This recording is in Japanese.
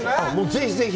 ぜひぜひ。